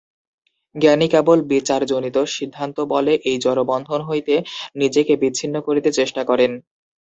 জ্ঞানী কেবল বিচারজনিত সিদ্ধান্তবলে এই জড়বন্ধন হইতে নিজেকে বিচ্ছিন্ন করিতে চেষ্টা করেন।